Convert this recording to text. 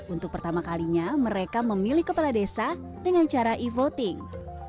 untuk pertama kalinya mereka memilih kepala desa dengan cara e voting